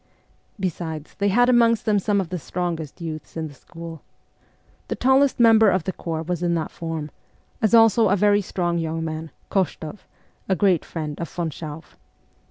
Besides, they had amongst them some of the strongest youths of the school. The tallest member of the corps was in that form, as also a very strong young man, Koshtoff, a' great friend of von Schauff.